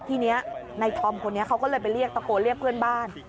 ทีนี้ในธอมคนนี้เขาก็เลยไปเรียกตะโกนเรียกเพื่อนบ้าน